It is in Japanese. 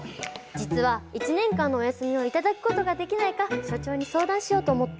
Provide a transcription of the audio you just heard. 実は１年間のお休みを頂くことができないか所長に相談しようと思って。